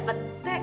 kok ada petek